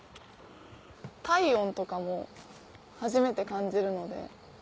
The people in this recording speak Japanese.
体温とかも初めて感じるので。